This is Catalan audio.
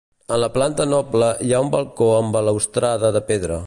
En la planta noble hi ha un balcó amb balustrada de pedra.